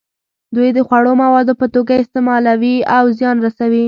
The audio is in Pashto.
دوی د خوړو موادو په توګه یې استعمالوي او زیان رسوي.